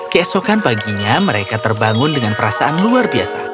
keesokan paginya mereka terbangun dengan perasaan luar biasa